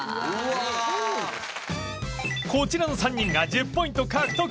こちらの３人が１０ポイント獲得